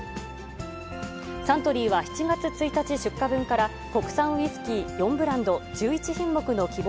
サントリーは７月１日出荷分から、国産ウイスキー４ブランド１１品目の希望